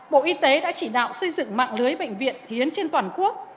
bộ y tế đã chỉ đạo xây dựng mạng lưới bệnh viện hiến trên toàn quốc